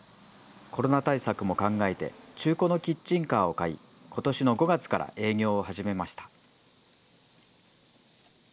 コロナ対策も考えて、中古のキッチンカーを買い、ことしの５月から営業を始めました。